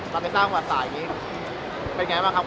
เราไปสร้างสายอย่างนี้เป็นไงบ้างครับ